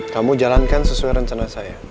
kamu jalankan sesuai rencana saya